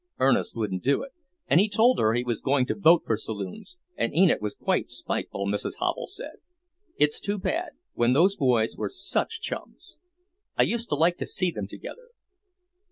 Ernest wouldn't do it, and told her he was going to vote for saloons, and Enid was quite spiteful, Mrs. Havel said. It's too bad, when those boys were such chums. I used to like to see them together."